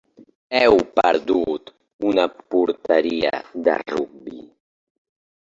Heu perdut una porteria de rugbi.